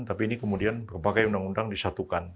tapi ini kemudian berbagai undang undang disatukan